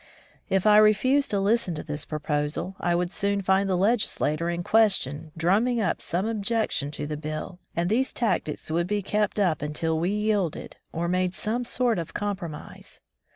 If I refused to listen to this proposal, I would soon find the legislator in question "drumming up" some objection to the bill, and these tactics would be kept up until we yielded, or made some sort of compromise.